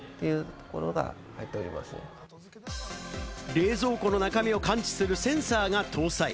冷蔵庫の中身を感知するセンサーが搭載。